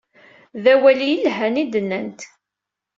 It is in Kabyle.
D awal i yelhan i d-nnant.